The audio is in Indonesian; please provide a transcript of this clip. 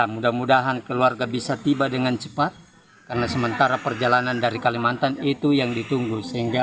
mudah mudahan keluarga bisa tiba dengan cepat karena sementara perjalanan dari kalimantan itu yang ditunggu sehingga